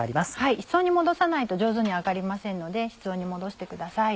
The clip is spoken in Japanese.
室温にもどさないと上手に揚がりませんので室温にもどしてください。